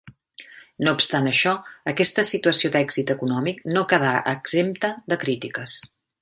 No obstant això aquesta situació d'èxit econòmic no quedà exempta de crítiques.